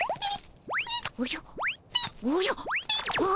おじゃ！？